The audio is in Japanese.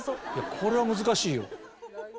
これは難しいよ。